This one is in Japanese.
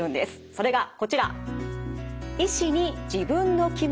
それがこちら。